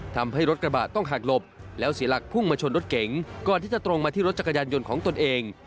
ทำให้รถกระบะต้องหักหลบแล้วเสียหลักพุ่งมาชนรถเก๋งก่อนที่จะตรงมาที่รถจักรยานยนต์ของตนเอง